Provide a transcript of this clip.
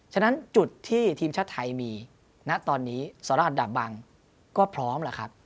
ฉะนั้นจุดที่ทีมชาติไทยมีณตอนนี้สราชอันดับบังก็พร้อมล่ะครับ